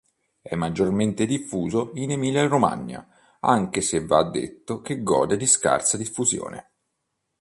È maggiormente diffuso in Emilia-Romagna, anche se va detto che gode di scarsa diffusione.